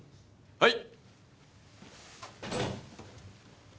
はい！